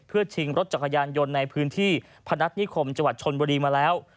เพื่อชิงรถจักรยานยนต์ในพื้นที่พนัฐนิคมจังหวัดชนบุรีมาแล้ว